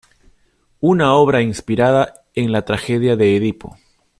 Una obra inspirada en la tragedia de Edipo.